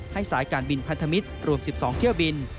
สายการบินพันธมิตรรวม๑๒เที่ยวบิน